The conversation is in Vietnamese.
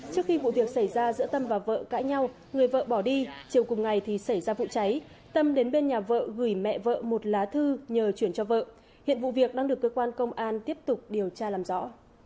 trước khi vụ việc xảy ra giữa tâm và vợ cãi nhau người vợ bỏ đi chiều cùng ngày thì xảy ra vụ cháy tâm đến bên nhà vợ gửi mẹ vợ một lá thư nhờ chuyển cho vợ hiện vụ việc đang được cơ quan công an tiếp tục điều tra làm rõ